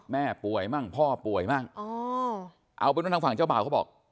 แม่ป่วยมั่งพ่อป่วยมั่งอ๋อเอาเป็นว่าทางฝั่งเจ้าบ่าวเขาบอก